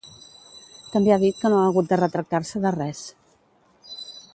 També ha dit que no hagut de ‘retractar-se de res’.